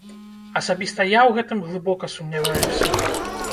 Асабіста я ў гэтым глыбока сумняваюся.